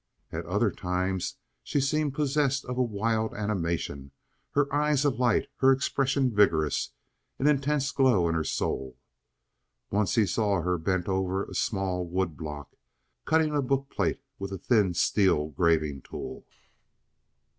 At other times she seemed possessed of a wild animation, her eyes alight, her expression vigorous, an intense glow in her soul. Once he saw her bent over a small wood block, cutting a book plate with a thin steel graving tool.